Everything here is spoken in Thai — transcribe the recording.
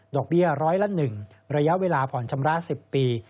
เบี้ยร้อยละ๑ระยะเวลาผ่อนชำระ๑๐ปี